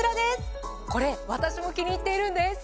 これ私も気に入っているんです。